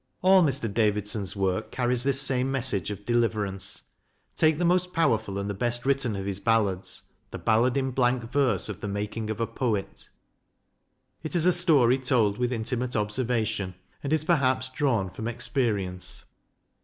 All Mr. Davidson's work carries this same message of deliverance. Take the most powerful and the best written of his ballads, " The Ballad in Blank Verse of the Making of a Poet." It is a story told with in timate observation, and is perhaps drawn from ex perience.